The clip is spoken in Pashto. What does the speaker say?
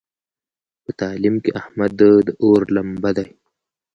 په تعلیم کې احمد د اور لمبه دی.